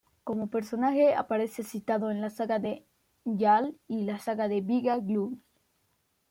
Como personaje aparece citado en la "saga de Njál", y la "saga de Víga-Glúms".